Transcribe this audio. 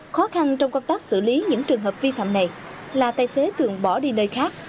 khó khăn trong công tác xử lý những trường hợp vi phạm này là tài xế thường bỏ đi nơi khác